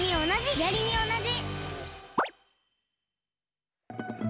ひだりにおなじ！